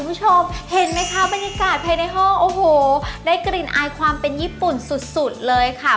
คุณผู้ชมเห็นไหมคะบรรยากาศภายในห้องโอ้โหได้กลิ่นอายความเป็นญี่ปุ่นสุดเลยค่ะ